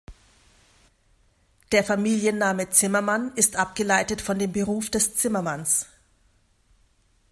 Der Familienname Zimmermann ist abgeleitet von dem Beruf des Zimmermanns.